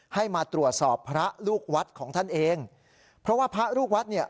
ให้มาตรวจสอบพระลูกวัดของท่านเองเพราะว่าพระลูกวัดเนี่ย